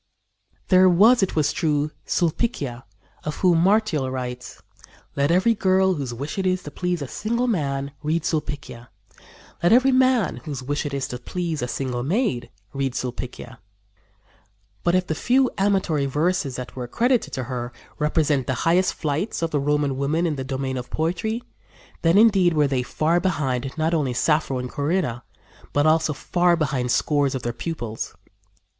There was, it is true, Sulpicia, of whom Martial writes: "Let every girl, whose wish it is to please a single man, read Sulpicia; let every man, whose wish it is to please a single maid, read Sulpicia;" but, if the few amatory verses that are credited to her represent the highest flights of the Roman women in the domain of poetry, then, indeed, were they far behind not only Sappho and Corinna, but also far behind scores of their pupils.